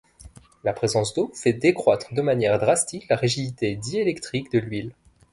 La présence d'eau fait décroître de manière drastique la rigidité diélectrique de l'huile.